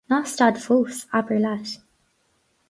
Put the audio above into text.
Ná stad fós, abair leat.